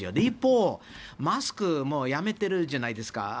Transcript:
一方、マスクもうやめてるじゃないですか。